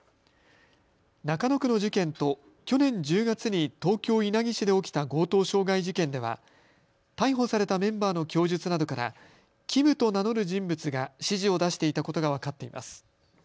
中野区の事件と去年１０月に東京稲城市で起きた強盗傷害事件では逮捕されたメンバーの供述などからキムと名乗る人物が指示を出していたことが分かっています。